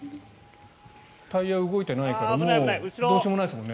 タイヤ動いていないからどうしようもないですもんね。